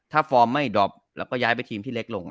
ถ้าฟอร์มไม่ดอบแล้วก็ย้ายไปทีมที่เล็กลง